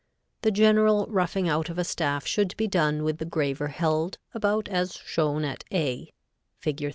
The general roughing out of a staff should be done with the graver held about as shown at A, Fig.